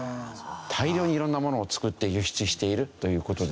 大量にいろんなものを作って輸出しているという事ですね。